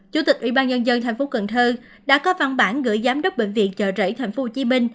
chủ tịch ủy ban nhân dân tp cần thơ đã có văn bản gửi giám đốc bệnh viện chợ rẫy tp hcm